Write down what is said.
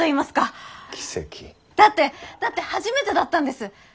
だってだって初めてだったんです。